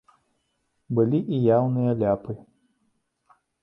Былі і яўныя ляпы.